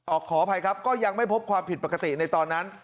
ขออภัยครับก็ยังไม่พบความผิดปกติในตอนนั้น